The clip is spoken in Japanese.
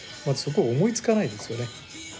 まずそこ思いつかないですよね。